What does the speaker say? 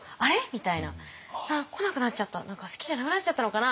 みたいな「あっ来なくなっちゃった何か好きじゃなくなっちゃったのかな？」